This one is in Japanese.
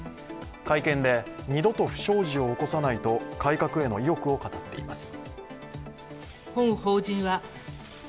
会見で、二度と不祥事を起こさないと改革への意欲を語っています。